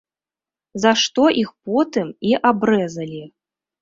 За што іх потым і абрэзалі.